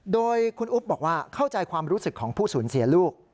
โดยคุณอุ๊บบอกว่าเข้าใจความรู้สึกของผู้สูญเสียลูก